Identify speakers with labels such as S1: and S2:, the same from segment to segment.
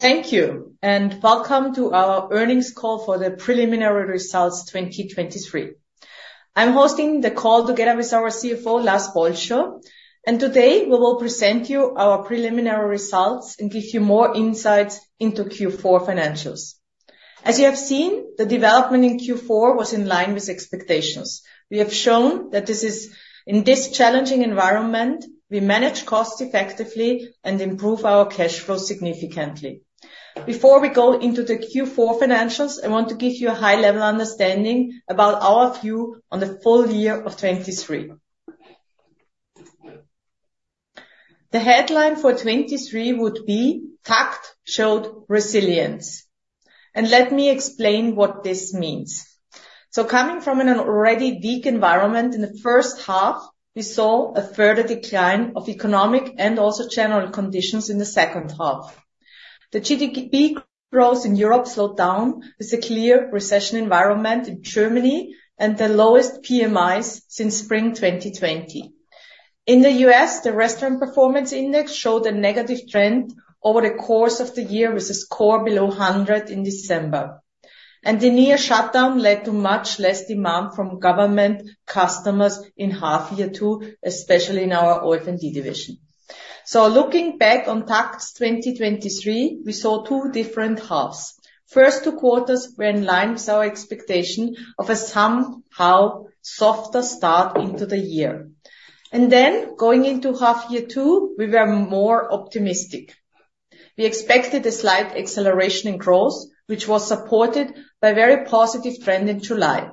S1: Thank you, and welcome to our earnings call for the preliminary results 2023. I'm hosting the call together with our CFO, Lars Bolscho, and today we will present you our preliminary results and give you more insights into Q4 financials. As you have seen, the development in Q4 was in line with expectations. We have shown that in this challenging environment, we manage costs effectively and improve our cash flow significantly. Before we go into the Q4 financials, I want to give you a high-level understanding about our view on the full year of 2023. The headline for 2023 would be, "TAKKT showed resilience." Let me explain what this means. Coming from an already weak environment, in the H1, we saw a further decline of economic and also general conditions in the H2. The GDP growth in Europe slowed down with a clear recession environment in Germany and the lowest PMIs since spring 2020. In the US, the Restaurant Performance Index showed a negative trend over the course of the year with a score below 100 in December. The near shutdown led to much less demand from government customers in half year two, especially in our OF&D division. Looking back on TAKKT's 2023, we saw two different halves. Q2 were in line with our expectation of a somehow softer start into the year. Then going into half year two, we were more optimistic. We expected a slight acceleration in growth, which was supported by a very positive trend in July.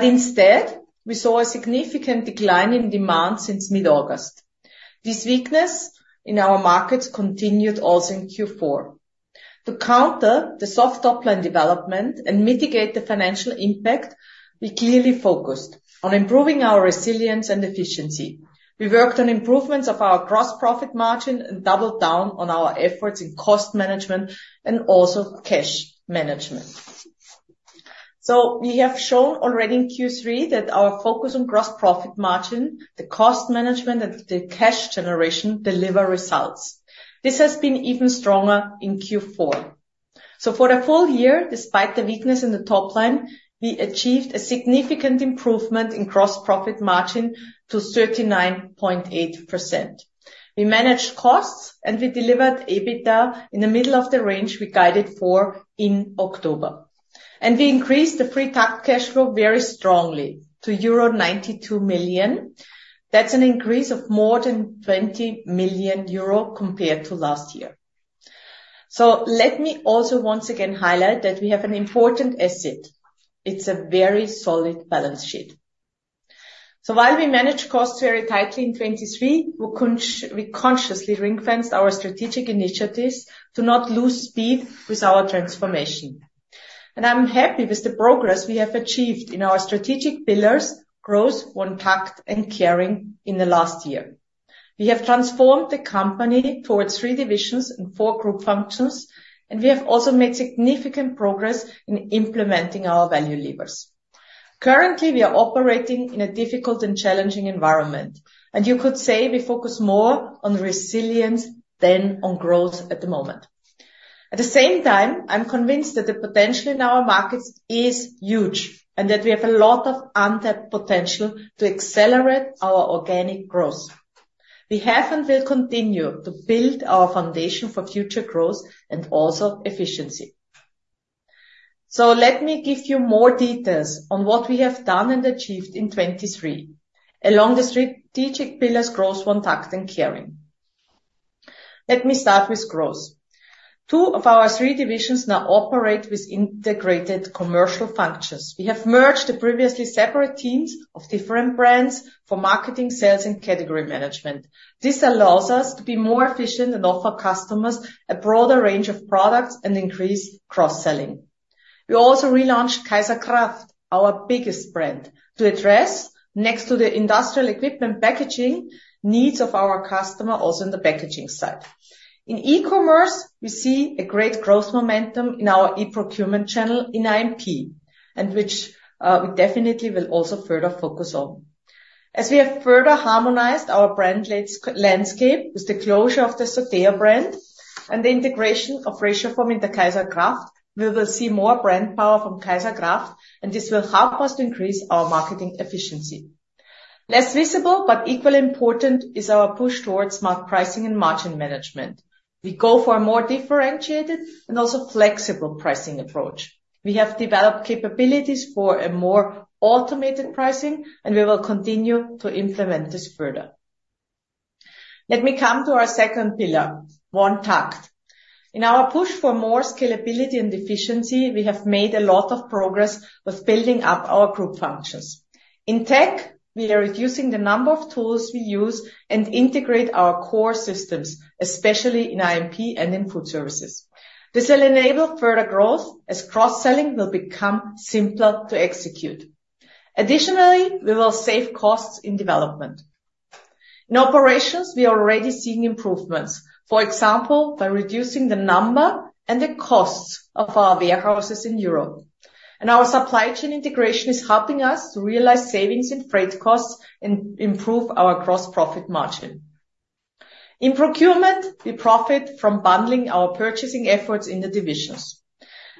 S1: Instead, we saw a significant decline in demand since mid-August. This weakness in our markets continued also in Q4. To counter the soft topline development and mitigate the financial impact, we clearly focused on improving our resilience and efficiency. We worked on improvements of our gross profit margin and doubled down on our efforts in cost management and also cash management. So we have shown already in Q3 that our focus on gross profit margin, the cost management, and the cash generation deliver results. This has been even stronger in Q4. So for the full year, despite the weakness in the topline, we achieved a significant improvement in gross profit margin to 39.8%. We managed costs, and we delivered EBITDA in the middle of the range we guided for in October. And we increased the Free TAKKT Cash Flow very strongly to euro 92 million. That's an increase of more than 20 million euro compared to last year. So let me also once again highlight that we have an important asset. It's a very solid balance sheet. While we managed costs very tightly in 2023, we consciously reinforced our strategic initiatives to not lose speed with our transformation. I'm happy with the progress we have achieved in our strategic pillars, growth, OneTAKKT, and caring in the last year. We have transformed the company towards three divisions and four group functions, and we have also made significant progress in implementing our value levers. Currently, we are operating in a difficult and challenging environment, and you could say we focus more on resilience than on growth at the moment. At the same time, I'm convinced that the potential in our markets is huge and that we have a lot of untapped potential to accelerate our organic growth. We have and will continue to build our foundation for future growth and also efficiency. So let me give you more details on what we have done and achieved in 2023 along the strategic pillars, growth, OneTAKKT, and caring. Let me start with growth. Two of our three divisions now operate with integrated commercial functions. We have merged the previously separate teams of different brands for marketing, sales, and category management. This allows us to be more efficient and offer customers a broader range of products and increase cross-selling. We also relaunched KAISER+KRAFT, our biggest brand, to address, next to the industrial equipment packaging needs of our customer, also in the packaging side. In e-commerce, we see a great growth momentum in our e-procurement channel in I&P, which we definitely will also further focus on. As we have further harmonized our brand landscape with the closure of the Certeo brand and the integration of Ratioform into KAISER+KRAFT, we will see more brand power from KAISER+KRAFT, and this will help us to increase our marketing efficiency. Less visible but equally important is our push towards smart pricing and margin management. We go for a more differentiated and also flexible pricing approach. We have developed capabilities for a more automated pricing, and we will continue to implement this further. Let me come to our second pillar, OneTAKKT. In our push for more scalability and efficiency, we have made a lot of progress with building up our group functions. In tech, we are reducing the number of tools we use and integrate our core systems, especially in IMP and in food services. This will enable further growth as cross-selling will become simpler to execute. Additionally, we will save costs in development. In operations, we are already seeing improvements, for example, by reducing the number and the costs of our warehouses in Europe. And our supply chain integration is helping us to realize savings in freight costs and improve our gross profit margin. In procurement, we profit from bundling our purchasing efforts in the divisions.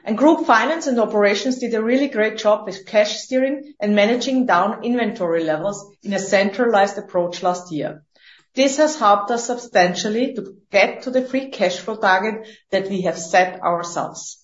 S1: And group finance and operations did a really great job with cash steering and managing down inventory levels in a centralized approach last year. This has helped us substantially to get to the free cash flow target that we have set ourselves.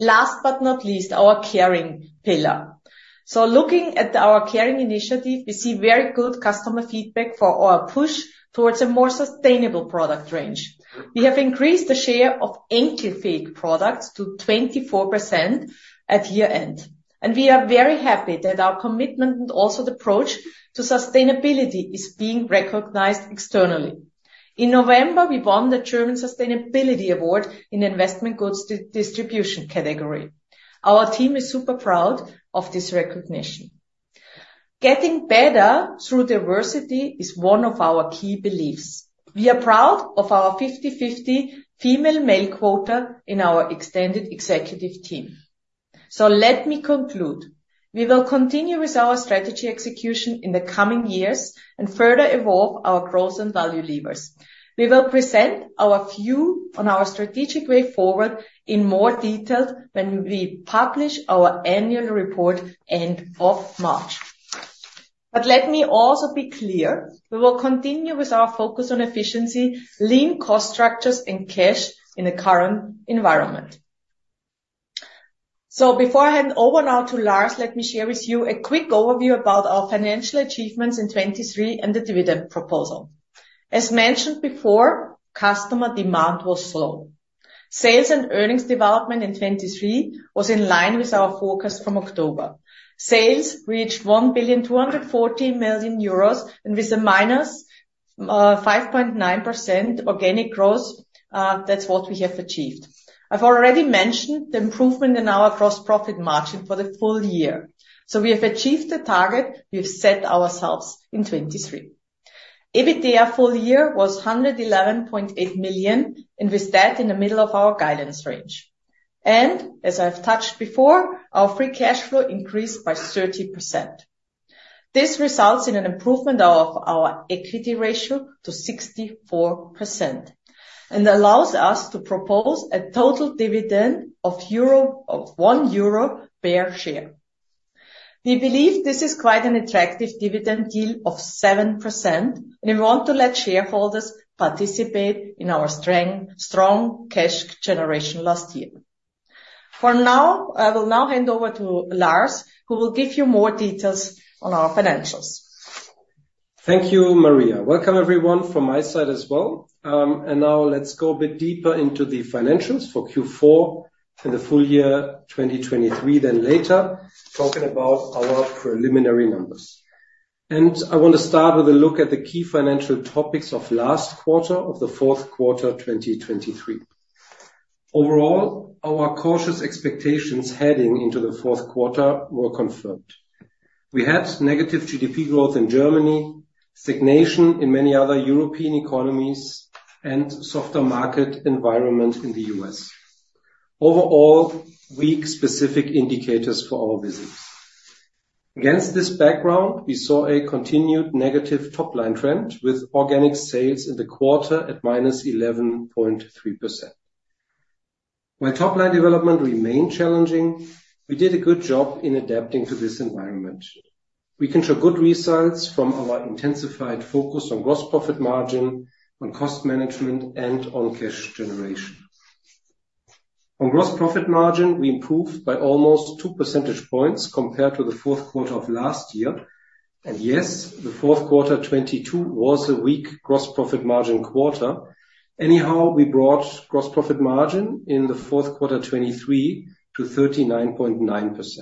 S1: Last but not least, our caring pillar. So looking at our caring initiative, we see very good customer feedback for our push towards a more sustainable product range. We have increased the share of Enkelfähig products to 24% at year-end. We are very happy that our commitment and also the approach to sustainability is being recognized externally. In November, we won the German Sustainability Award in the investment goods distribution category. Our team is super proud of this recognition. Getting better through diversity is one of our key beliefs. We are proud of our 50/50 female-male quota in our extended executive team. Let me conclude. We will continue with our strategy execution in the coming years and further evolve our growth and value levers. We will present our view on our strategic way forward in more detail when we publish our annual report end of March. Let me also be clear. We will continue with our focus on efficiency, lean cost structures, and cash in the current environment. Before I hand over now to Lars, let me share with you a quick overview about our financial achievements in 2023 and the dividend proposal. As mentioned before, customer demand was slow. Sales and earnings development in 2023 was in line with our focus from October. Sales reached 1,240,000,000 euros, and with a -5.9% organic growth, that's what we have achieved. I've already mentioned the improvement in our gross profit margin for the full year. We have achieved the target we've set ourselves in 2023. EBITDA full year was 111.8 million, and with that, in the middle of our guidance range. As I've touched before, our free cash flow increased by 30%. This results in an improvement of our equity ratio to 64% and allows us to propose a total dividend of 1 euro per share. We believe this is quite an attractive dividend yield of 7%, and we want to let shareholders participate in our strong cash generation last year. For now, I will now hand over to Lars, who will give you more details on our financials.
S2: Thank you, Maria. Welcome, everyone, from my side as well. Now let's go a bit deeper into the financials for Q4 and the full year 2023 than later, talking about our preliminary numbers. I want to start with a look at the key financial topics of last quarter of the fourth quarter 2023. Overall, our cautious expectations heading into the fourth quarter were confirmed. We had negative GDP growth in Germany, stagnation in many other European economies, and a softer market environment in the U.S. Overall, weak specific indicators for our business. Against this background, we saw a continued negative topline trend with organic sales in the quarter at -11.3%. While topline development remained challenging, we did a good job in adapting to this environment. We can show good results from our intensified focus on gross profit margin, on cost management, and on cash generation. On gross profit margin, we improved by almost 2 percentage points compared to the fourth quarter of last year. And yes, the fourth quarter 2022 was a weak gross profit margin quarter. Anyhow, we brought gross profit margin in the fourth quarter 2023 to 39.9%.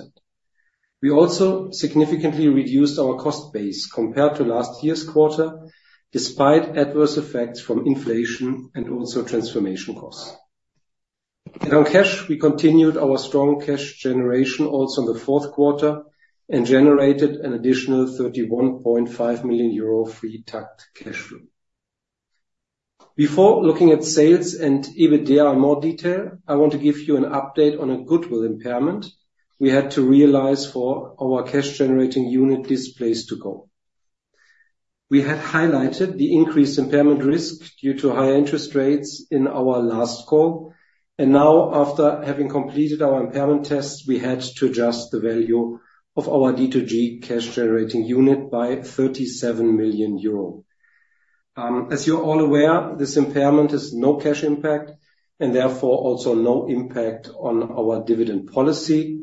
S2: We also significantly reduced our cost base compared to last year's quarter, despite adverse effects from inflation and also transformation costs. And on cash, we continued our strong cash generation also in the fourth quarter and generated an additional 31.5 million euro Free TAKKT Cash Flow. Before looking at sales and EBITDA in more detail, I want to give you an update on a goodwill impairment we had to realize for our cash-generating unit Displays2go. We had highlighted the increased impairment risk due to high interest rates in our last call. Now, after having completed our impairment tests, we had to adjust the value of our D2G cash-generating unit by 37 million euro. As you're all aware, this impairment has no cash impact and therefore also no impact on our dividend policy.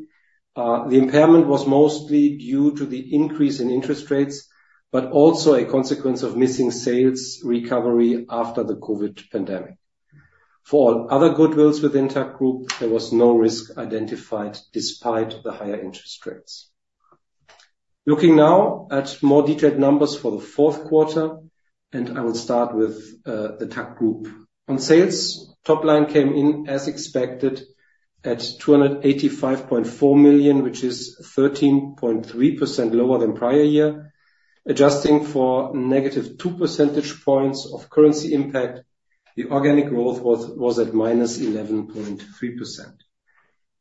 S2: The impairment was mostly due to the increase in interest rates, but also a consequence of missing sales recovery after the COVID pandemic. For all other goodwills within TAKKT Group, there was no risk identified despite the higher interest rates. Looking now at more detailed numbers for the fourth quarter, and I will start with the TAKKT Group. On sales, topline came in as expected at 285.4 million, which is 13.3% lower than prior year. Adjusting for negative 2 percentage points of currency impact, the organic growth was at minus 11.3%.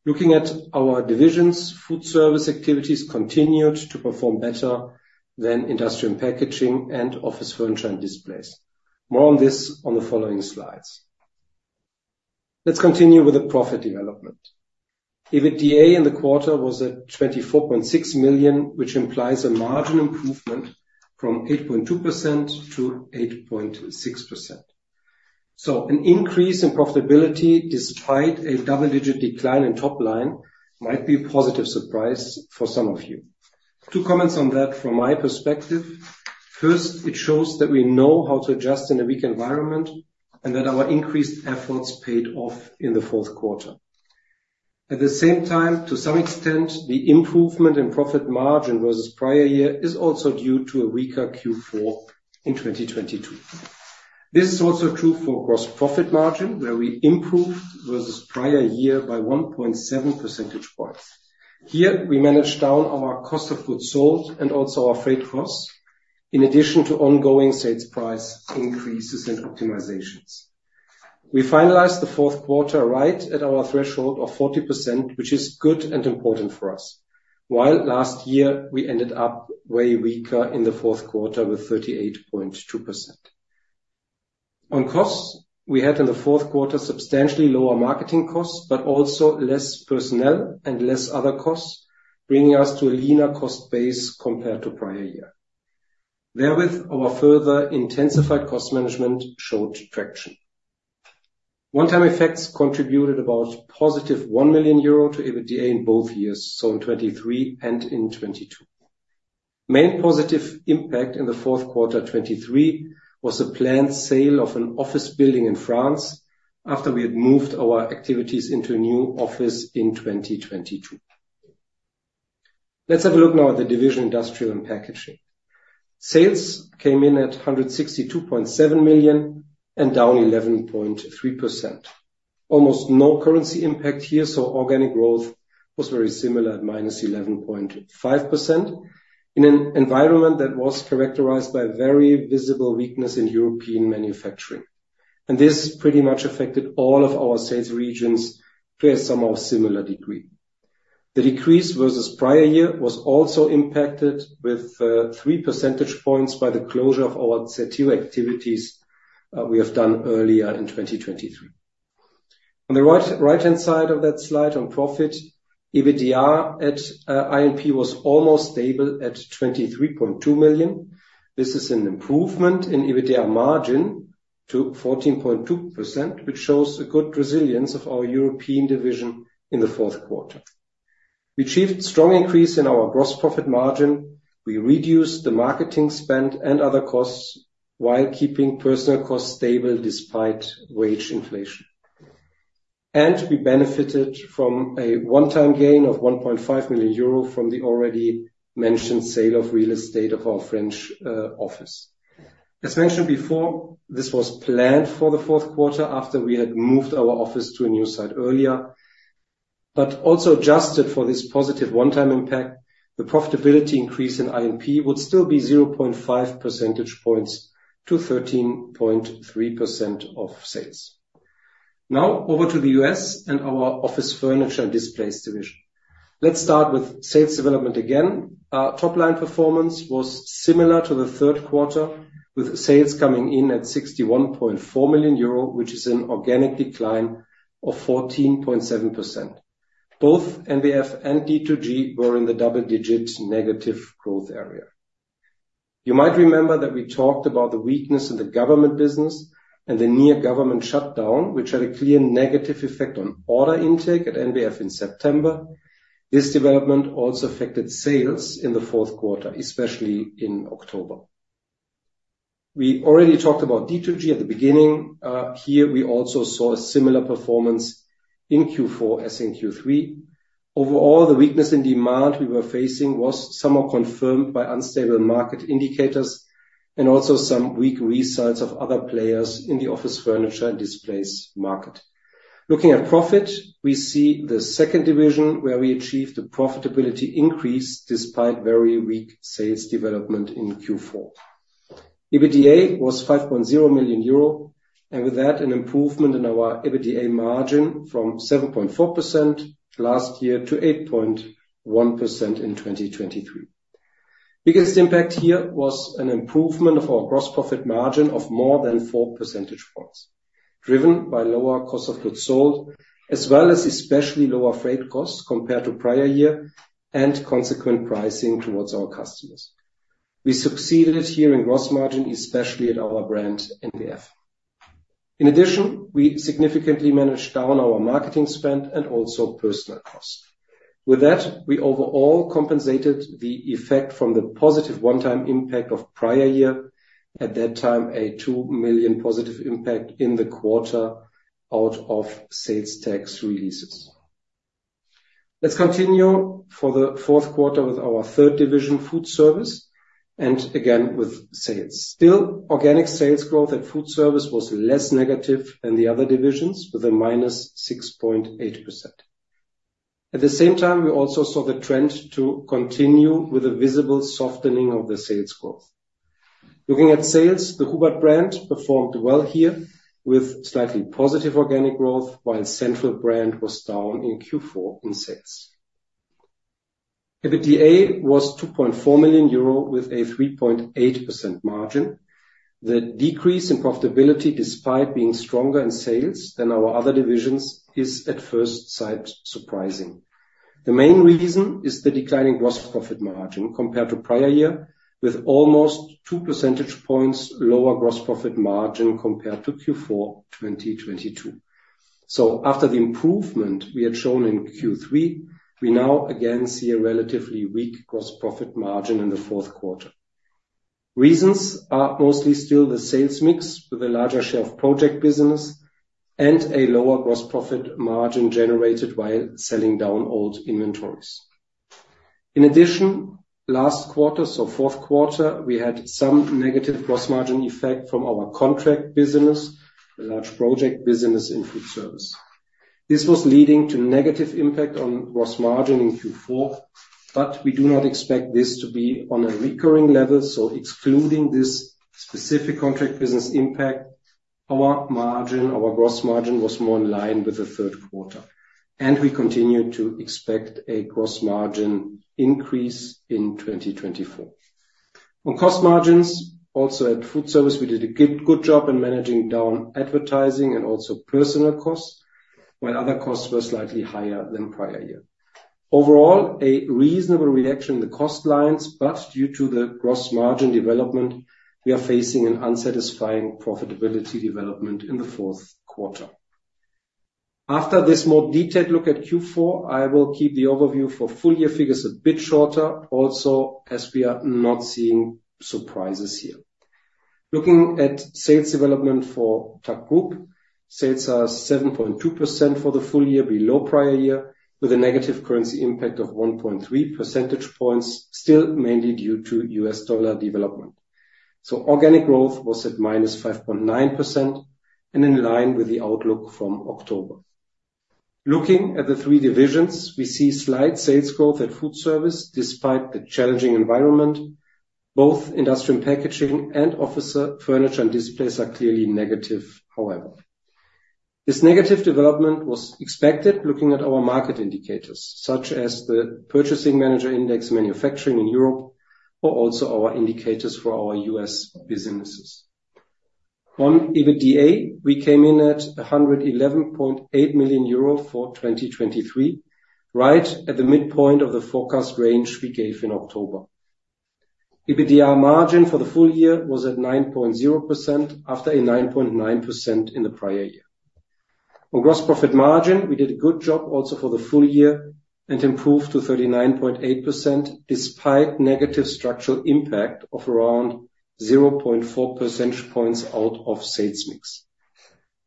S2: Looking at our divisions, FoodService activities continued to perform better than industrial packaging and office furniture and displays. More on this on the following slides. Let's continue with the profit development. EBITDA in the quarter was at 24.6 million, which implies a margin improvement from 8.2%-8.6%. So an increase in profitability despite a double-digit decline in topline might be a positive surprise for some of you. Two comments on that from my perspective. First, it shows that we know how to adjust in a weak environment and that our increased efforts paid off in the Q4. At the same time, to some extent, the improvement in profit margin versus prior year is also due to a weaker Q4 in 2022. This is also true for gross profit margin, where we improved versus prior year by 1.7 percentage points. Here, we managed down our cost of goods sold and also our freight costs, in addition to ongoing sales price increases and optimizations. We finalized the Q4 right at our threshold of 40%, which is good and important for us, while last year we ended up way weaker in the Q4 with 38.2%. On costs, we had in the Q4 substantially lower marketing costs, but also less personnel and less other costs, bringing us to a leaner cost base compared to prior year. Therewith, our further intensified cost management showed traction. One-time effects contributed about positive 1 million euro to EBITDA in both years, so in 2023 and in 2022. Main positive impact in the Q4 2023 was the planned sale of an office building in France after we had moved our activities into a new office in 2022. Let's have a look now at the Industrial and Packaging division. Sales came in at 162.7 million and down 11.3%. Almost no currency impact here, so organic growth was very similar at -11.5% in an environment that was characterized by very visible weakness in European manufacturing. This pretty much affected all of our sales regions to some similar degree. The decrease versus prior year was also impacted with three percentage points by the closure of our SATU activities we have done earlier in 2023. On the right-hand side of that slide, on profit, EBITDA at IMP was almost stable at 23.2 million. This is an improvement in EBITDA margin to 14.2%, which shows a good resilience of our European division in the fourth quarter. We achieved a strong increase in our gross profit margin. We reduced the marketing spend and other costs while keeping personal costs stable despite wage inflation. We benefited from a one-time gain of 1.5 million euro from the already mentioned sale of real estate of our French office. As mentioned before, this was planned for the fourth quarter after we had moved our office to a new site earlier, but also adjusted for this positive one-time impact. The profitability increase in IMP would still be 0.5 percentage points to 13.3% of sales. Now over to the US and our office furniture and displays division. Let's start with sales development again. Top-line performance was similar to the third quarter, with sales coming in at 61.4 million euro, which is an organic decline of 14.7%. Both NBF and D2G were in the double-digit negative growth area. You might remember that we talked about the weakness in the government business and the near government shutdown, which had a clear negative effect on order intake at NBF in September. This development also affected sales in the fourth quarter, especially in October. We already talked about D2G at the beginning. Here, we also saw a similar performance in Q4 as in Q3. Overall, the weakness in demand we were facing was somewhat confirmed by unstable market indicators and also some weak results of other players in the office furniture and displays market. Looking at profit, we see the second division where we achieved a profitability increase despite very weak sales development in Q4. EBITDA was 5.0 million euro, and with that, an improvement in our EBITDA margin from 7.4% last year to 8.1% in 2023. Biggest impact here was an improvement of our gross profit margin of more than 4 percentage points, driven by lower cost of goods sold as well as especially lower freight costs compared to prior year and consequent pricing towards our customers. We succeeded here in gross margin, especially at our brand NBF. In addition, we significantly managed down our marketing spend and also personal costs. With that, we overall compensated the effect from the positive one-time impact of prior year. At that time, a 2 million positive impact in the quarter out of sales tax releases. Let's continue for the fourth quarter with our third division, food service, and again with sales. Still, organic sales growth at food service was less negative than the other divisions with a minus 6.8%. At the same time, we also saw the trend to continue with a visible softening of the sales growth. Looking at sales, the Hubert brand performed well here with slightly positive organic growth, while Central brand was down in Q4 in sales. EBITDA was 2.4 million euro with a 3.8% margin. The decrease in profitability despite being stronger in sales than our other divisions is at first sight surprising. The main reason is the declining gross profit margin compared to prior year, with almost two percentage points lower gross profit margin compared to Q4 2022. So after the improvement we had shown in Q3, we now again see a relatively weak gross profit margin in the fourth quarter. Reasons are mostly still the sales mix with a larger share of project business and a lower gross profit margin generated while selling down old inventories. In addition, last quarter so fourth quarter, we had some negative gross margin effect from our contract business, a large project business in food service. This was leading to a negative impact on gross margin in Q4, but we do not expect this to be on a recurring level. So excluding this specific contract business impact, our margin, our gross margin was more in line with the third quarter, and we continue to expect a gross margin increase in 2024. On cost margins, also at food service, we did a good job in managing down advertising and also personnel costs, while other costs were slightly higher than prior year. Overall, a reasonable reaction in the cost lines, but due to the gross margin development, we are facing an unsatisfying profitability development in the fourth quarter. After this more detailed look at Q4, I will keep the overview for full year figures a bit shorter, also as we are not seeing surprises here. Looking at sales development for TAKKT Group, sales are 7.2% for the full year below prior year, with a negative currency impact of 1.3 percentage points, still mainly due to U.S. dollar development. So organic growth was at -5.9% and in line with the outlook from October. Looking at the three divisions, we see slight sales growth at food service despite the challenging environment. Both industrial packaging and office furniture and displays are clearly negative. However, this negative development was expected looking at our market indicators such as the Purchasing Managers' Index manufacturing in Europe, or also our indicators for our U.S. businesses. On EBITDA, we came in at 111.8 million euro for 2023, right at the midpoint of the forecast range we gave in October. EBITDA margin for the full year was at 9.0% after a 9.9% in the prior year. On gross profit margin, we did a good job also for the full year and improved to 39.8% despite negative structural impact of around 0.4 percentage points out of sales mix.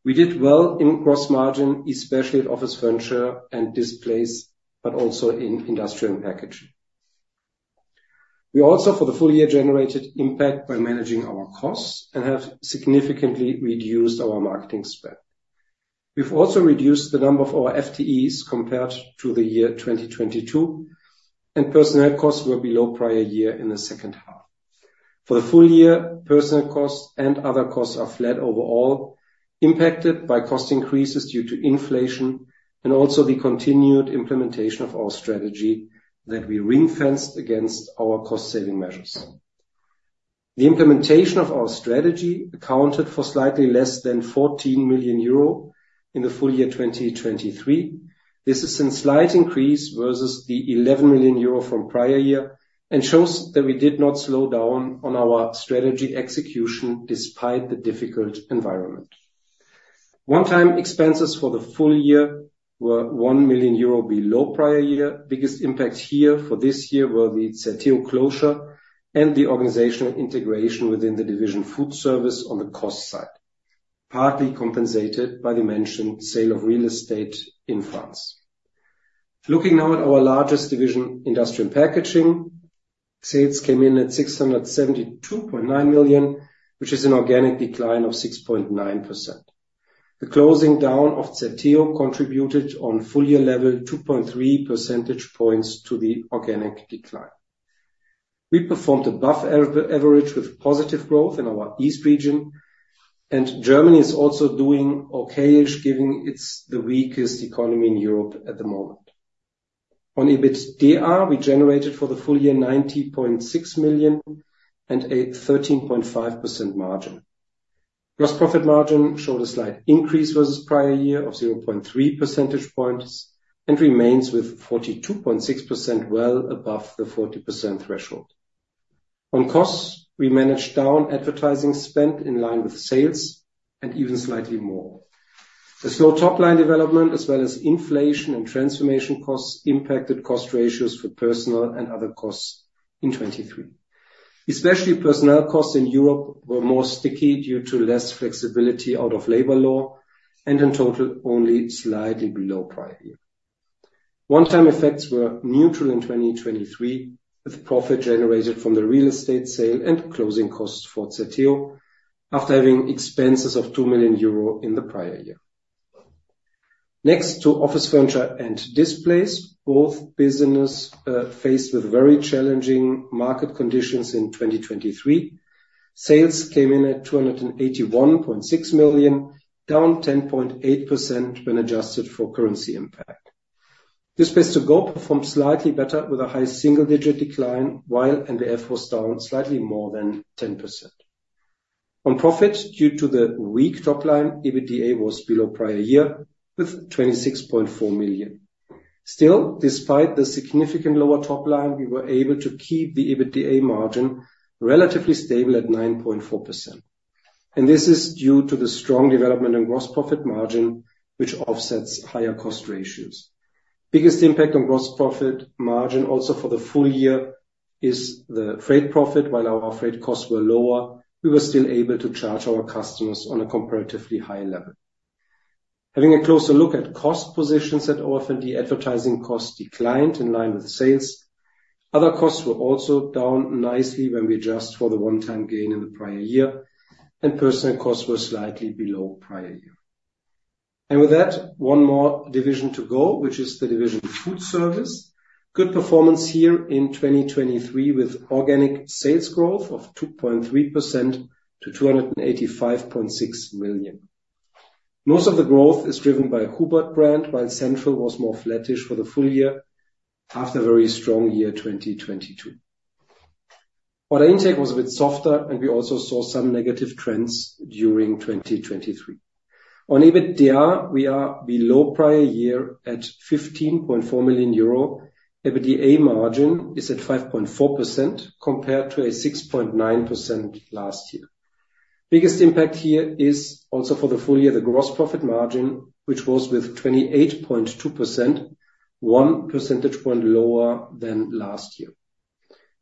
S2: We did well in gross margin, especially at office furniture and displays, but also in industrial and packaging. We also, for the full year, generated impact by managing our costs and have significantly reduced our marketing spend. We've also reduced the number of our FTEs compared to the year 2022, and personal costs were below prior year in the second half. For the full year, personal costs and other costs are flat overall, impacted by cost increases due to inflation and also the continued implementation of our strategy that we ring-fenced against our cost-saving measures. The implementation of our strategy accounted for slightly less than €14 million in the full year 2023. This is a slight increase versus the 11 million euro from prior year and shows that we did not slow down on our strategy execution despite the difficult environment. One-time expenses for the full year were 1 million euro below prior year. Biggest impact here for this year were the SATU closure and the organizational integration within the division food service on the cost side, partly compensated by the mentioned sale of real estate in France. Looking now at our largest division, industrial and packaging, sales came in at 672.9 million, which is an organic decline of 6.9%. The closing down of SATU contributed on full year level 2.3 percentage points to the organic decline. We performed above average with positive growth in our East region, and Germany is also doing okay, given it's the weakest economy in Europe at the moment. On EBITDA, we generated for the full year 90.6 million and a 13.5% margin. Gross profit margin showed a slight increase versus prior year of 0.3 percentage points and remains with 42.6%, well above the 40% threshold. On costs, we managed down advertising spend in line with sales and even slightly more. The slow topline development, as well as inflation and transformation costs, impacted cost ratios for personal and other costs in 2023. Especially personal costs in Europe were more sticky due to less flexibility out of labor law and in total only slightly below prior year. One-time effects were neutral in 2023, with profit generated from the real estate sale and closing costs for SATU after having expenses of 2 million euro in the prior year. Next to office furniture and displays, both businesses faced very challenging market conditions in 2023. Sales came in at 281.6 million, down 10.8% when adjusted for currency impact. Displays2go performed slightly better with a high single-digit decline, while NBF was down slightly more than 10%. On profit, due to the weak topline, EBITDA was below prior year with 26.4 million. Still, despite the significant lower topline, we were able to keep the EBITDA margin relatively stable at 9.4%. And this is due to the strong development and gross profit margin, which offsets higher cost ratios. Biggest impact on gross profit margin also for the full year is the freight profit. While our freight costs were lower, we were still able to charge our customers on a comparatively high level. Having a closer look at cost positions at OF&D, advertising costs declined in line with sales. Other costs were also down nicely when we adjust for the one-time gain in the prior year, and personal costs were slightly below prior year. With that, one more division to go, which is the division food service. Good performance here in 2023 with organic sales growth of 2.3% to 285.6 million. Most of the growth is driven by Hubert brand, while Central was more flattish for the full year after a very strong year 2022. Order intake was a bit softer, and we also saw some negative trends during 2023. On EBITDA, we are below prior year at 15.4 million euro. EBITDA margin is at 5.4% compared to a 6.9% last year. Biggest impact here is also for the full year, the gross profit margin, which was with 28.2%, one percentage point lower than last year.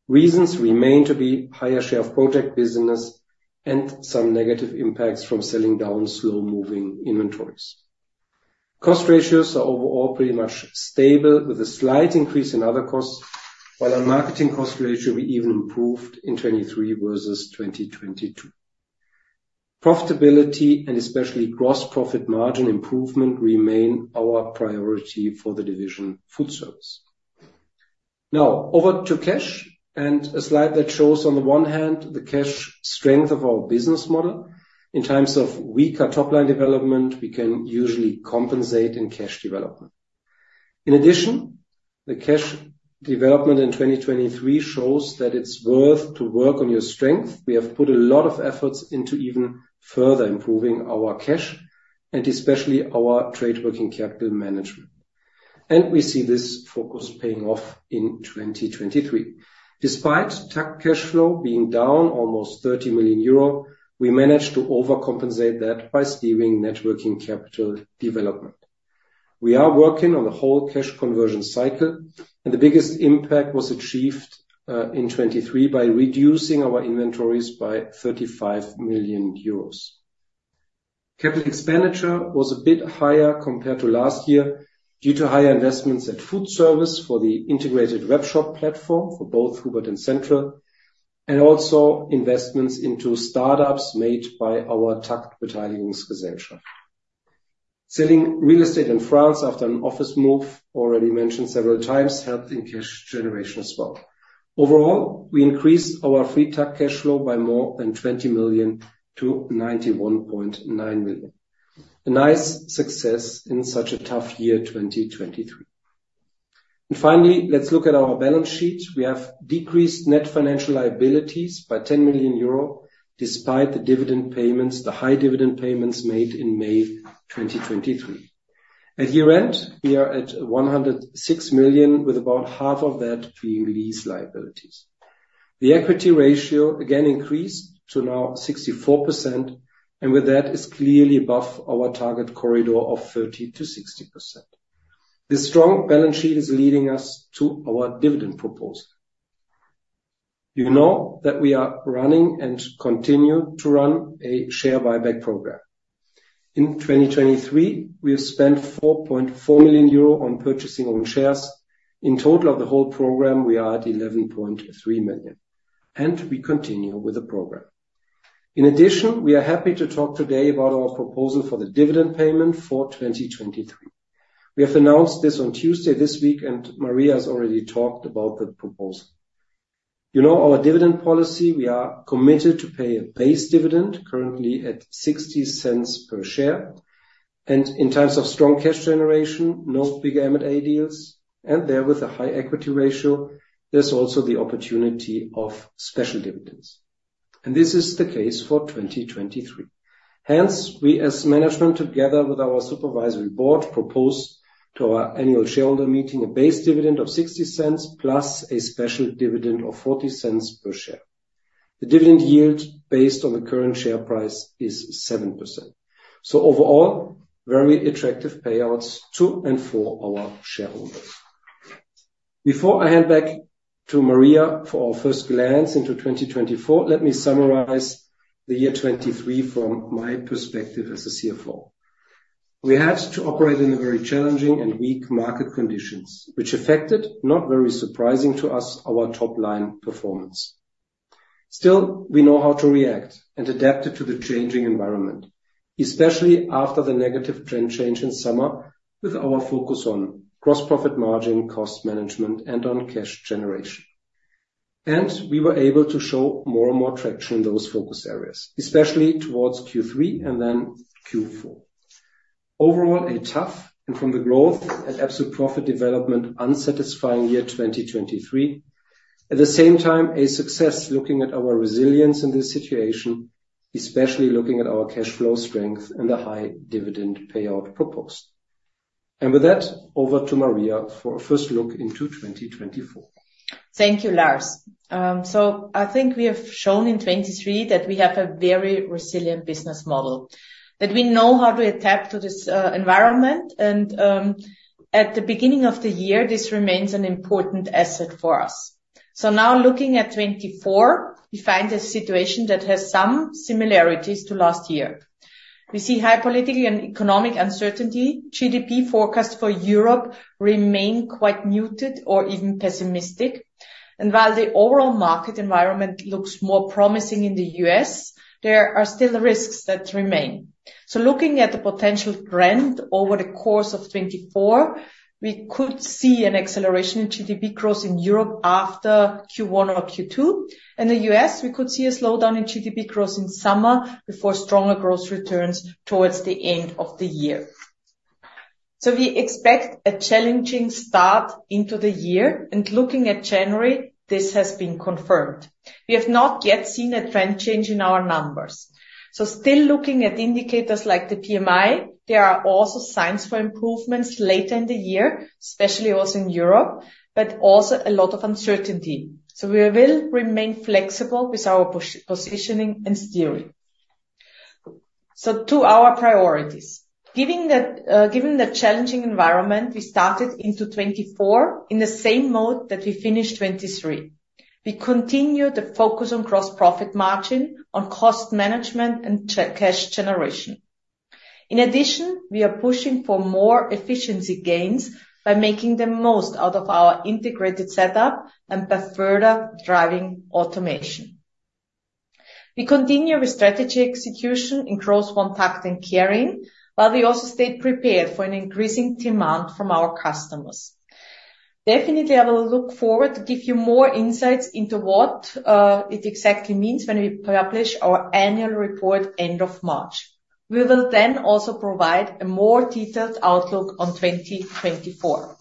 S2: Reasons remain to be a higher share of project business and some negative impacts from selling down slow-moving inventories. Cost ratios are overall pretty much stable with a slight increase in other costs, while our marketing cost ratio even improved in 2023 versus 2022. Profitability and especially gross profit margin improvement remain our priority for the FoodService division. Now over to cash and a slide that shows on the one hand the cash strength of our business model. In times of weaker topline development, we can usually compensate in cash development. In addition, the cash development in 2023 shows that it's worth working on your strength. We have put a lot of efforts into even further improving our cash and especially our trade working capital management. And we see this focus paying off in 2023. Despite TAKKT cash flow being down almost 30 million euro, we managed to overcompensate that by steering net working capital development. We are working on the whole cash conversion cycle, and the biggest impact was achieved in 2023 by reducing our inventories by 35 million euros. Capital expenditure was a bit higher compared to last year due to higher investments at food service for the integrated webshop platform for both Hubert and Central, and also investments into startups made by our TAKKT Beteiligungsgesellschaft. Selling real estate in France after an office move, already mentioned several times, helped in cash generation as well. Overall, we increased our free TAKKT cash flow by more than 20 million to 91.9 million. A nice success in such a tough year 2023. And finally, let's look at our balance sheet. We have decreased net financial liabilities by 10 million euro despite the dividend payments, the high dividend payments made in May 2023. At year end, we are at 106 million, with about half of that being lease liabilities. The equity ratio again increased to now 64%, and with that is clearly above our target corridor of 30%-60%. This strong balance sheet is leading us to our dividend proposal. You know that we are running and continue to run a share buyback program. In 2023, we have spent 4.4 million euro on purchasing own shares. In total of the whole program, we are at 11.3 million, and we continue with the program. In addition, we are happy to talk today about our proposal for the dividend payment for 2023. We have announced this on Tuesday this week, and Maria has already talked about the proposal. You know our dividend policy. We are committed to pay a base dividend currently at 0.60 per share. In times of strong cash generation, no bigger M&A deals, and there with a high equity ratio, there's also the opportunity of special dividends. This is the case for 2023. Hence, we as management, together with our supervisory board, propose to our annual shareholder meeting a base dividend of 0.60 plus a special dividend of 0.40 per share. The dividend yield based on the current share price is 7%. Overall, very attractive payouts to and for our shareholders. Before I hand back to Maria for our first glance into 2024, let me summarize the year 2023 from my perspective as a CFO. We had to operate in very challenging and weak market conditions, which affected, not very surprising to us, our topline performance. Still, we know how to react and adapt to the changing environment, especially after the negative trend change in summer with our focus on gross profit margin, cost management, and on cash generation. We were able to show more and more traction in those focus areas, especially towards Q3 and then Q4. Overall, a tough and, from the growth and absolute profit development, unsatisfying year 2023. At the same time, a success, looking at our resilience in this situation, especially looking at our cash flow strength and the high dividend payout proposed. With that, over to Maria for a first look into 2024.
S1: Thank you, Lars. I think we have shown in 2023 that we have a very resilient business model, that we know how to adapt to this environment. At the beginning of the year, this remains an important asset for us. So now looking at 2024, we find a situation that has some similarities to last year. We see high political and economic uncertainty. GDP forecasts for Europe remain quite muted or even pessimistic. And while the overall market environment looks more promising in the U.S., there are still risks that remain. So looking at the potential trend over the course of 2024, we could see an acceleration in GDP growth in Europe after Q1 or Q2. In the U.S., we could see a slowdown in GDP growth in summer before stronger growth returns towards the end of the year. So we expect a challenging start into the year. And looking at January, this has been confirmed. We have not yet seen a trend change in our numbers. Still looking at indicators like the PMI, there are also signs for improvements later in the year, especially also in Europe, but also a lot of uncertainty. So we will remain flexible with our positioning and steering. So to our priorities, given the challenging environment, we started into 2024 in the same mode that we finished 2023. We continue the focus on gross profit margin, on cost management, and cash generation. In addition, we are pushing for more efficiency gains by making the most out of our integrated setup and by further driving automation. We continue with strategy execution across OneTAKKT and carrying, while we also stay prepared for an increasing demand from our customers. Definitely, I will look forward to giving you more insights into what it exactly means when we publish our annual report end of March. We will then also provide a more detailed outlook on 2024.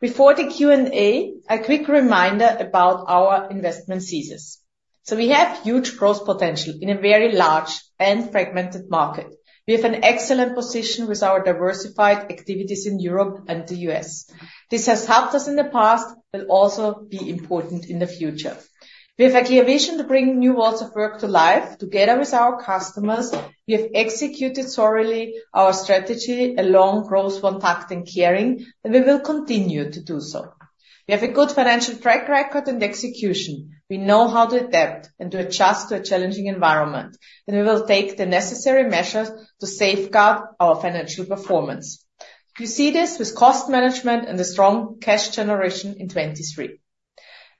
S1: Before the Q&A, a quick reminder about our investment thesis. So we have huge growth potential in a very large and fragmented market. We have an excellent position with our diversified activities in Europe and the US. This has helped us in the past, but will also be important in the future. We have a clear vision to bring new worlds of work to life together with our customers. We have executed thoroughly our strategy across OneTAKKT and KAISER+KRAFT, and we will continue to do so. We have a good financial track record and execution. We know how to adapt and to adjust to a challenging environment, and we will take the necessary measures to safeguard our financial performance. You see this with cost management and the strong cash generation in 2023.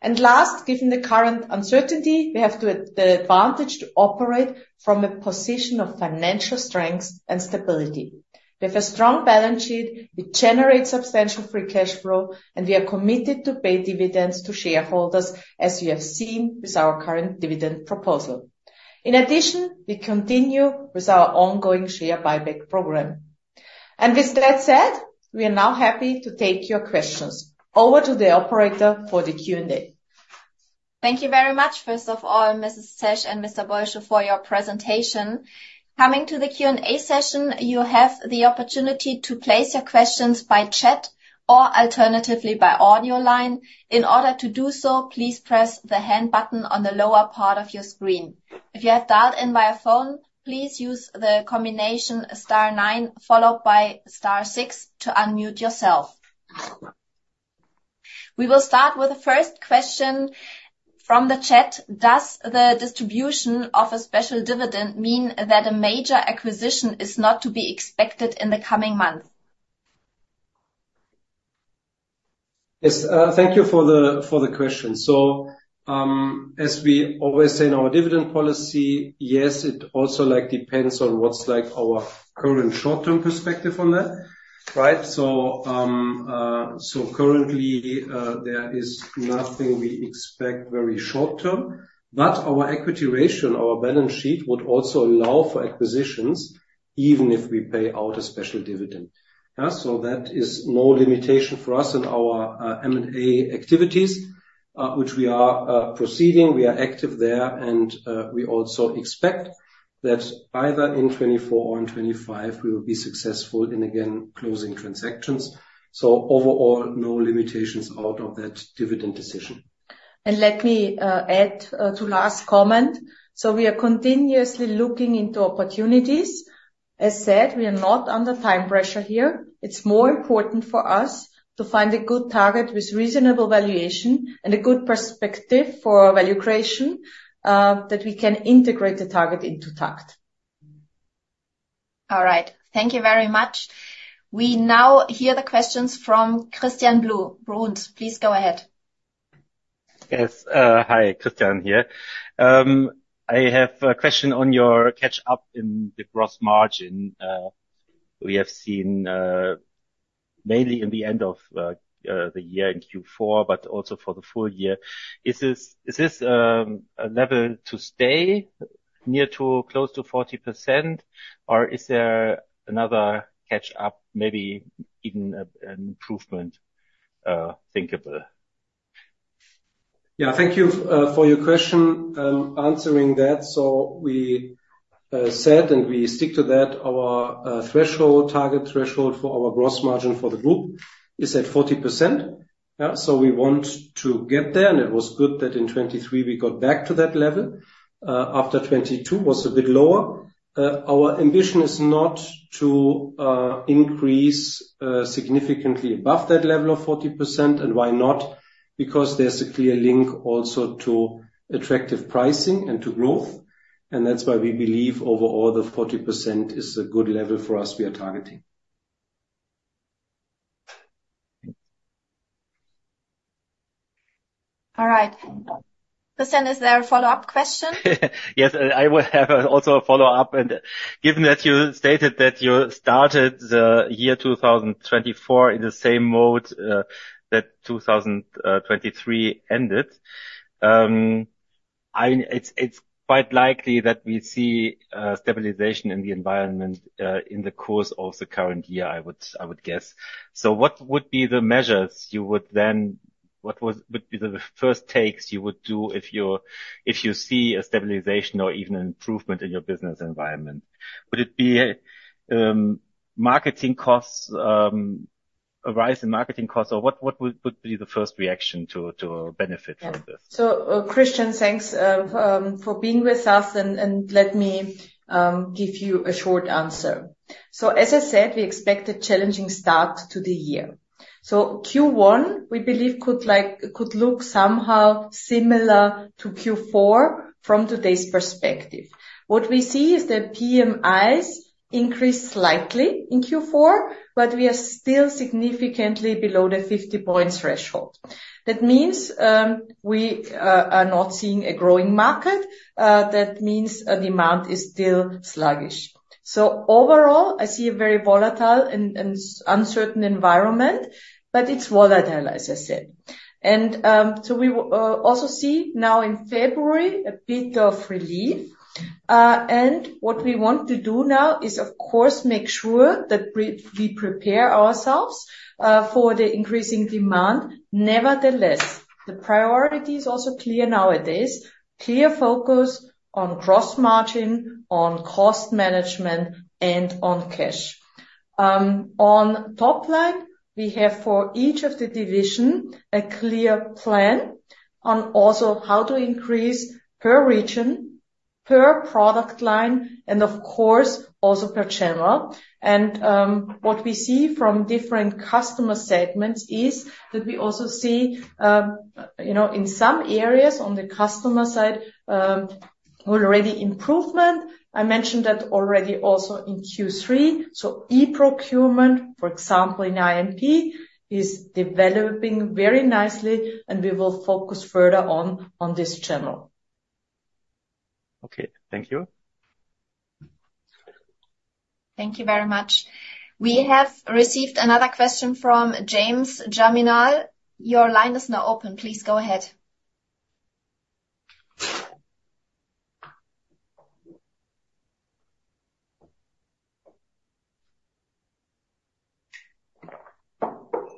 S1: And last, given the current uncertainty, we have the advantage to operate from a position of financial strength and stability. We have a strong balance sheet. It generates substantial free cash flow, and we are committed to pay dividends to shareholders, as you have seen with our current dividend proposal. In addition, we continue with our ongoing share buyback program. And with that said, we are now happy to take your questions. Over to the operator for the Q&A.
S3: Thank you very much, first of all, Mrs. Zesch and Mr. Bolscho, for your presentation. Coming to the Q&A session, you have the opportunity to place your questions by chat or alternatively by audio line. In order to do so, please press the hand button on the lower part of your screen. If you have dialed in via phone, please use the combination *9 followed by *6 to unmute yourself. We will start with the first question from the chat. Does the distribution of a special dividend mean that a major acquisition is not to be expected in the coming months?
S2: Yes. Thank you for the question. So as we always say in our dividend policy, yes, it also depends on what's our current short-term perspective on that, right? So currently, there is nothing we expect very short-term, but our equity ratio, our balance sheet, would also allow for acquisitions even if we pay out a special dividend. So that is no limitation for us in our M&A activities, which we are proceeding. We are active there, and we also expect that either in 2024 or in 2025 we will be successful in, again, closing transactions. So overall, no limitations out of that dividend decision.
S1: And let me add to last comment. So we are continuously looking into opportunities. As said, we are not under time pressure here. It's more important for us to find a good target with reasonable valuation and a good perspective for value creation that we can integrate the target into TAKKT.
S3: All right. Thank you very much. We now hear the questions from Christian Bruns. Please go ahead.
S4: Yes. Hi, Christian here. I have a question on your catch-up in the gross margin. We have seen mainly in the end of the year in Q4, but also for the full year. Is this a level to stay near to close to 40%, or is there another catch-up, maybe even an improvement thinkable?
S2: Yeah. Thank you for your question answering that. So we said, and we stick to that, our target threshold for our gross margin for the group is at 40%. So we want to get there. It was good that in 2023 we got back to that level. After 2022 was a bit lower. Our ambition is not to increase significantly above that level of 40%. And why not? Because there's a clear link also to attractive pricing and to growth. And that's why we believe overall the 40% is a good level for us we are targeting.
S3: All right. Christian, is there a follow-up question?
S4: Yes. I will have also a follow-up. And given that you stated that you started the year 2024 in the same mode that 2023 ended, it's quite likely that we see stabilization in the environment in the course of the current year, I would guess. So what would be the measures you would then what would be the first takes you would do if you see a stabilization or even an improvement in your business environment? Would it be marketing costs, a rise in marketing costs, or what would be the first reaction to benefit from this? So Christian, thanks for being with us. And let me give you a short answer. So as I said, we expect a challenging start to the year. So Q1, we believe, could look somehow similar to Q4 from today's perspective. What we see is that PMIs increase slightly in Q4, but we are still significantly below the 50-point threshold. That means we are not seeing a growing market. That means demand is still sluggish. So overall, I see a very volatile and uncertain environment, but it's volatile, as I said. And so we also see now in February a bit of relief. And what we want to do now is, of course, make sure that we prepare ourselves for the increasing demand. Nevertheless, the priority is also clear nowadays, clear focus on gross margin, on cost management, and on cash. On topline, we have for each of the divisions a clear plan on also how to increase per region, per product line, and of course, also per channel. And what we see from different customer segments is that we also see in some areas on the customer side already improvement. I mentioned that already also in Q3. So e-procurement, for example, in I&P, is developing very nicely, and we will focus further on this channel. Okay. Thank you.
S3: Thank you very much. We have received another question from James Jaminal. Your line is now open. Please go ahead.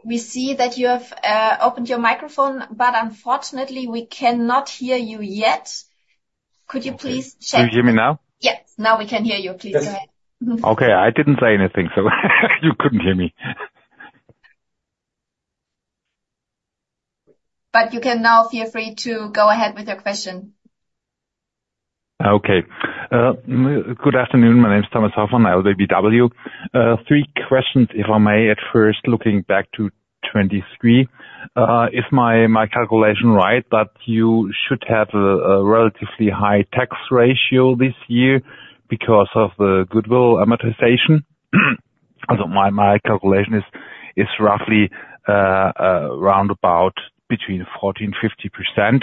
S3: We see that you have opened your microphone, but unfortunately, we cannot hear you yet. Could you please check?
S5: Do you hear me now?
S3: Yes. Now we can hear you. Please go ahead. Okay.
S5: I didn't say anything, so you couldn't hear me.
S3: But you can now feel free to go ahead with your question.
S5: Okay. Good afternoon. My name is Thomas Hoffmann. LBBW. Three questions, if I may, at first, looking back to 2023. Is my calculation right that you should have a relatively high tax ratio this year because of the goodwill amortization? So my calculation is roughly roundabout between 40% and 50%.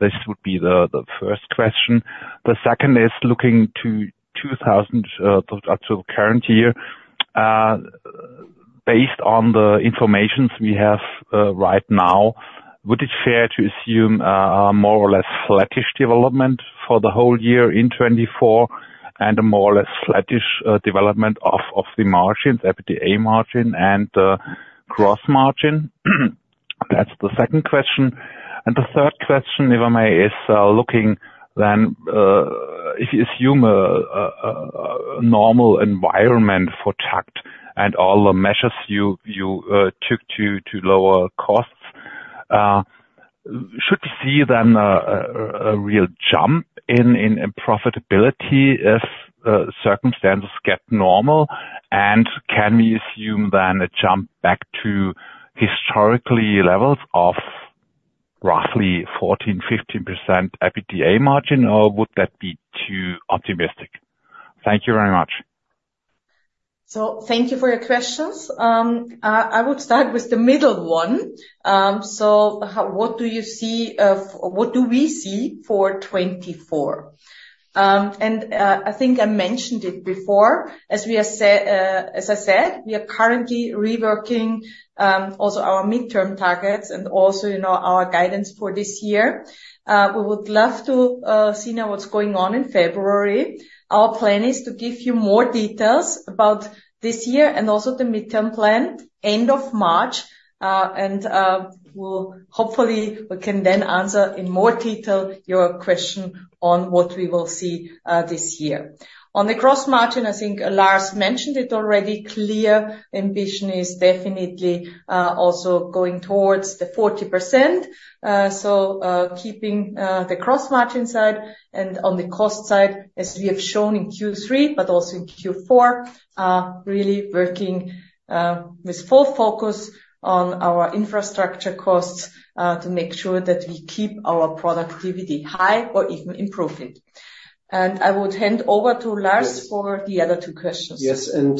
S5: This would be the first question. The second is looking forward to the current year. Based on the information we have right now, would it be fair to assume a more or less flattish development for the whole year in 2024 and a more or less flattish development of the margins, OF&D margin and gross margin? That's the second question. The third question, if I may, is looking then if you assume a normal environment for TAKKT and all the measures you took to lower costs, should we see then a real jump in profitability if circumstances get normal? And can we assume then a jump back to historical levels of roughly 14%-15% EBITDA margin, or would that be too optimistic? Thank you very much.
S1: Thank you for your questions. I would start with the middle one. What do we see for 2024? And I think I mentioned it before. As I said, we are currently reworking also our midterm targets and also our guidance for this year. We would love to see now what's going on in February. Our plan is to give you more details about this year and also the midterm plan end of March. Hopefully, we can then answer in more detail your question on what we will see this year. On the gross margin, I think Lars mentioned it already. Clear ambition is definitely also going towards the 40%. So keeping the gross margin side and on the cost side, as we have shown in Q3 but also in Q4, really working with full focus on our infrastructure costs to make sure that we keep our productivity high or even improve it. And I would hand over to Lars for the other two questions.
S2: Yes. And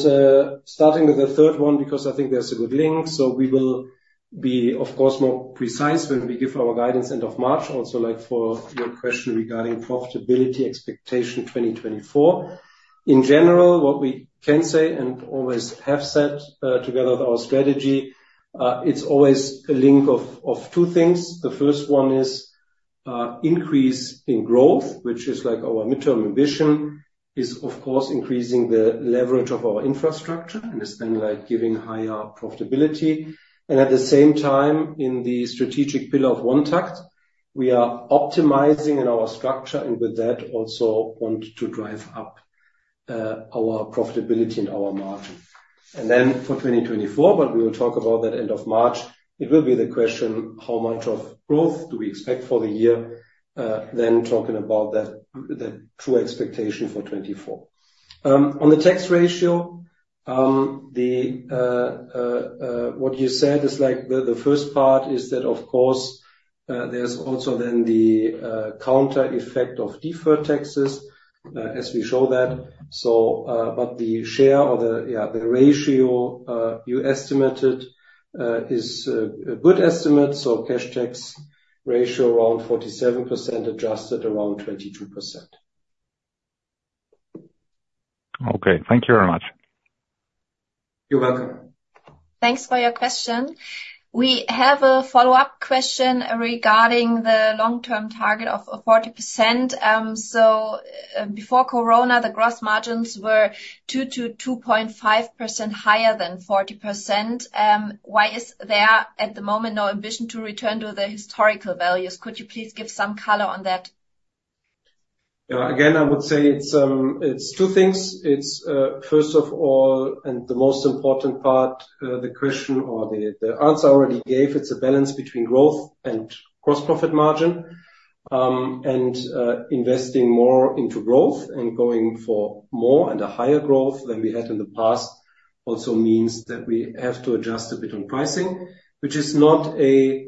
S2: starting with the third one because I think there's a good link. So we will be, of course, more precise when we give our guidance end of March, also for your question regarding profitability expectation 2024. In general, what we can say and always have said together with our strategy, it's always a link of two things. The first one is increase in growth, which is our midterm ambition, is, of course, increasing the leverage of our infrastructure and is then giving higher profitability. And at the same time, in the strategic pillar of OneTAKKT, we are optimizing in our structure and with that also want to drive up our profitability and our margin. And then for 2024, but we will talk about that end of March, it will be the question, how much of growth do we expect for the year? Then talking about that true expectation for 2024. On the tax ratio, what you said is the first part is that, of course, there's also then the counter effect of deferred taxes, as we show that. But the share or the ratio you estimated is a good estimate. So cash tax ratio around 47% adjusted around 22%. Okay.
S5: Thank you very much.
S2: You're welcome.
S3: Thanks for your question. We have a follow-up question regarding the long-term target of 40%. So before corona, the gross margins were 2%-2.5% higher than 40%. Why is there at the moment no ambition to return to the historical values? Could you please give some color on that?
S2: Again, I would say it's two things. First of all, and the most important part, the question or the answer I already gave, it's a balance between growth and gross profit margin. And investing more into growth and going for more and a higher growth than we had in the past also means that we have to adjust a bit on pricing, which is not a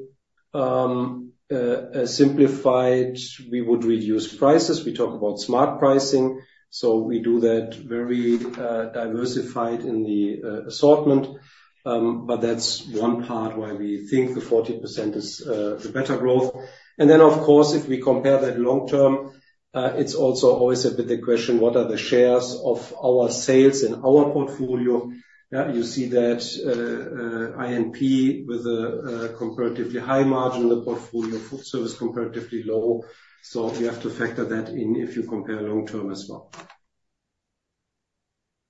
S2: simplified we would reduce prices. We talk about smart pricing. So we do that very diversified in the assortment. But that's one part why we think the 40% is the better growth. And then, of course, if we compare that long-term, it's also always a bit the question, what are the shares of our sales in our portfolio? You see that I&P with a comparatively high margin in the portfolio, food service comparatively low. So we have to factor that in if you compare long-term as well.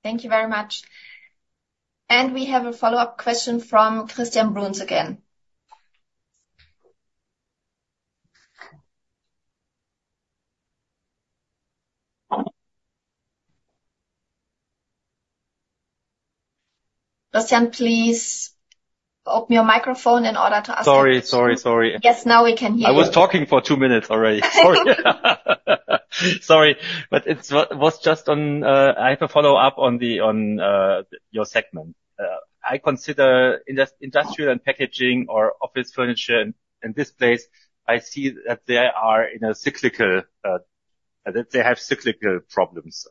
S3: Thank you very much. And we have a follow-up question from Christian Bruns again. Christian, please open your microphone in order to ask your question.
S4: Sorry, sorry, sorry.
S3: Yes, now we can hear you.
S4: I was talking for two minutes already. Sorry. Sorry. But it was just on I have a follow-up on your segment. I consider industrial and packaging or office furniture in this place. I see that they are in a cyclical that they have cyclical problems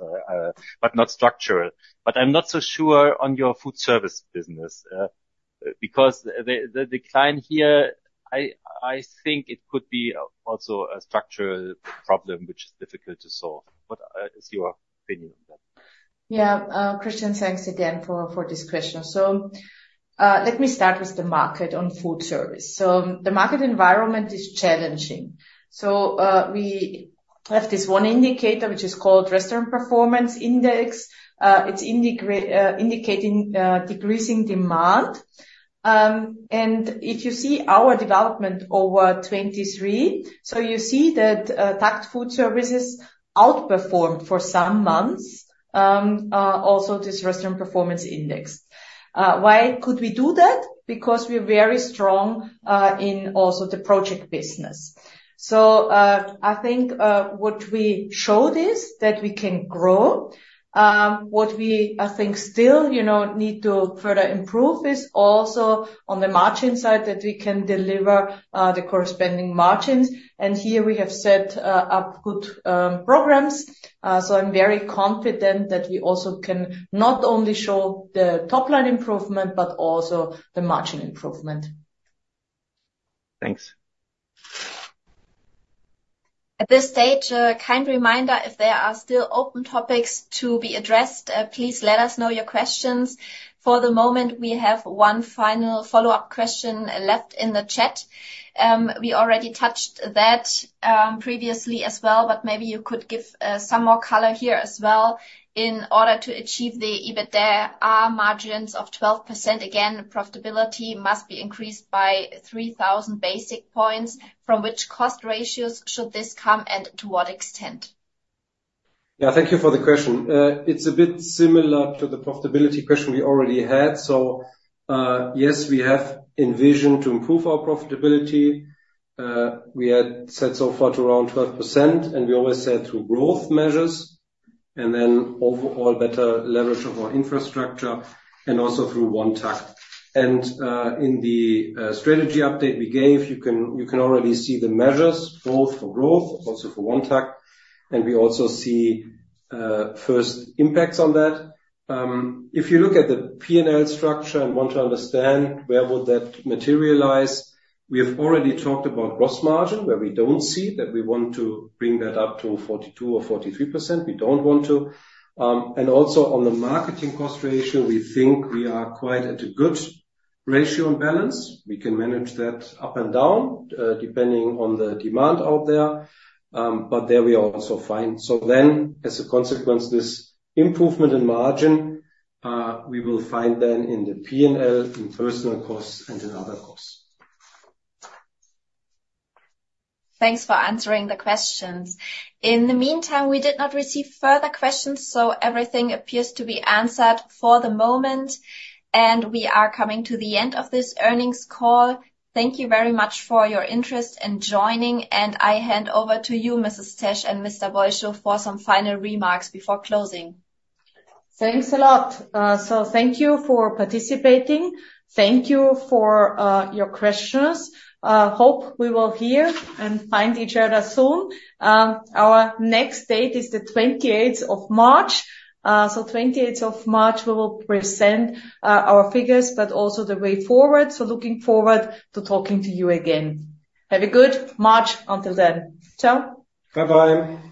S4: but not structural. But I'm not so sure on your food service business because the decline here, I think it could be also a structural problem, which is difficult to solve. What is your opinion on that?
S1: Yeah. Christian, thanks again for this question. Let me start with the market on food service. The market environment is challenging. We have this one indicator, which is called Restaurant Performance Index. It's indicating decreasing demand. And if you see our development over 2023, you see that TAKKT FoodService outperformed for some months also this Restaurant Performance Index. Why could we do that? Because we're very strong in also the project business. I think what we showed is that we can grow. What we, I think, still need to further improve is also on the margin side that we can deliver the corresponding margins. And here we have set up good programs. So I'm very confident that we also can not only show the topline improvement but also the margin improvement.
S4: Thanks.
S3: At this stage, a kind reminder, if there are still open topics to be addressed, please let us know your questions. For the moment, we have one final follow-up question left in the chat. We already touched that previously as well, but maybe you could give some more color here as well in order to achieve the EBITDA margins of 12%. Again, profitability must be increased by 3,000 basis points. From which cost ratios should this come and to what extent?
S2: Yeah. Thank you for the question. It's a bit similar to the profitability question we already had. So yes, we have envisioned to improve our profitability. We had set so far to around 12%, and we always said through growth measures and then overall better leverage of our infrastructure and also through OneTAKKT. And in the strategy update we gave, you can already see the measures both for growth, also for OneTAKKT. And we also see first impacts on that. If you look at the P&L structure and want to understand where would that materialize, we have already talked about gross margin where we don't see that we want to bring that up to 42 or 43%. We don't want to. And also on the marketing cost ratio, we think we are quite at a good ratio and balance. We can manage that up and down depending on the demand out there. But there we are also fine. So then, as a consequence, this improvement in margin, we will find then in the P&L, in personnel costs, and in other costs.
S3: Thanks for answering the questions. In the meantime, we did not receive further questions, so everything appears to be answered for the moment. We are coming to the end of this earnings call. Thank you very much for your interest in joining. I hand over to you, Mrs. Zesch and Mr. Bolscho, for some final remarks before closing.
S1: Thanks a lot. Thank you for participating. Thank you for your questions. Hope we will hear and find each other soon. Our next date is the 28th of March. So 28th of March, we will present our figures but also the way forward. Looking forward to talking to you again. Have a good March until then. Ciao. Bye-bye.